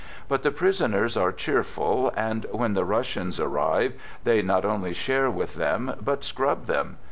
But the prisoners are cheerful, and when the Russians arrive, they not only share with them, but scrub them